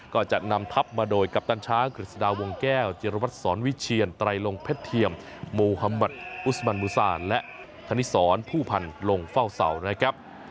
ก็จะนำทับมาโดยกัปตันช้างกฤษฎาวงแก้วจิรวัตรสอนวิเชียนไตรลงเพชรเทียมโมฮัมมัติอุสมันมูซานและคณิสรผู้พันธ์ลงเฝ้าเสานะครับ